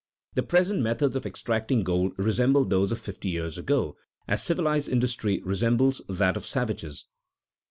The present methods of extracting gold resemble those of fifty years ago as civilized industry resembles that of savages.